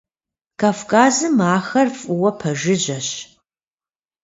Кавказым ахэр фӏыуэ пэжыжьэщ.